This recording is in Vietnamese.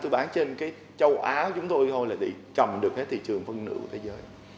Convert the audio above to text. tôi bán trên cái châu á của chúng tôi thôi là để trầm được cái thị trường phân nữ của thế giới